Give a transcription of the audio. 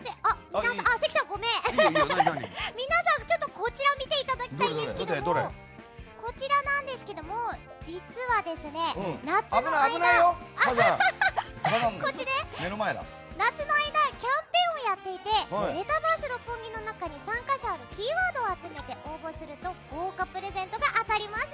皆さん、こちら見ていただきたいんですけども実は、夏の間キャンペーンをやっていてメタバース六本木の中に３か所あるキーワードを集めて応募すると豪華プレゼントが当たります！